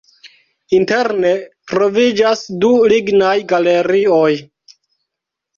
Interne troviĝas du lignaj galerioj.